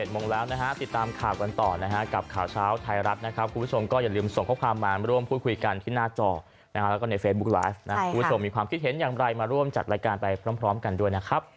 ติดตามข่าวกันต่อนะฮะกับข่าวเช้าไทยรัฐนะครับคุณผู้ชมก็อย่าลืมส่งข้อความมาร่วมพูดคุยกันที่หน้าจอนะฮะแล้วก็ในเฟซบุ๊คไลฟ์นะคุณผู้ชมมีความคิดเห็นอย่างไรมาร่วมจัดรายการไปพร้อมกันด้วยนะครับ